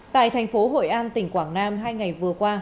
tại thành phố hội an tỉnh quảng nam hai ngày vừa qua